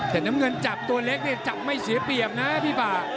แต่น้ำเงินจับตัวเล็กเนี่ยจับไม่เสียเปรียบนะพี่ป่า